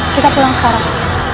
kita pulang sekarang